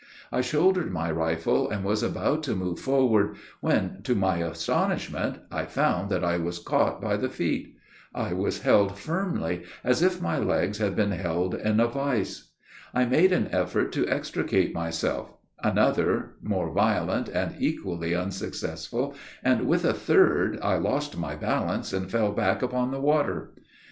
I shouldered my rifle, and was about to move forward, when, to my astonishment, I found that I was caught by the feet. I was held firmly as if my legs had been held in a vice. I made an effort to extricate myself; another, more violent, and equally unsuccessful, and, with a third, I lost my balance, and fell back upon the water.